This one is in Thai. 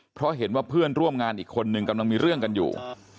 เพราะเห็นว่าเพื่อนร่วมงานอีกคนนึงกำลังมีเรื่องกันอยู่